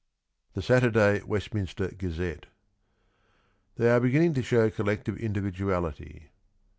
THE SATURDAY WESTMINSTER GAZETTE. ... They are beginning to show collective individuality